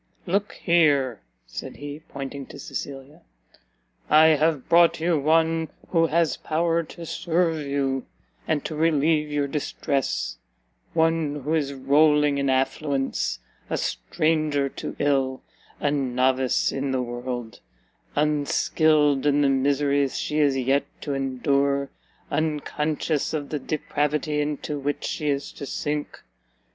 "Look here," said he, pointing to Cecilia, "I have brought you one who has power to serve you, and to relieve your distress: one who is rolling in affluence, a stranger to ill, a novice in the world; unskilled in the miseries she is yet to endure, unconscious of the depravity into which she is to sink!